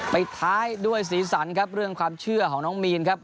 ไปท้ายด้วยสีสันครับเรื่องความเชื่อของน้องมีนครับ